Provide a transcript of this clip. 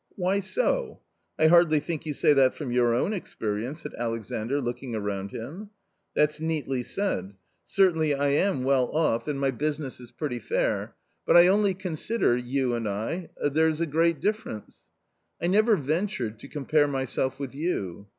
"Why so? I hardly think you say that from your own experience?" said Alexandr looking around him. "That's neatly said. Certainly I am well off and my 42 A COMMON STORY business is pretty fair. But I only consider — you and I — there's a great difference." " I never ventured to compare myself with you.'